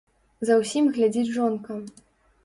За ўсім глядзіць жонка.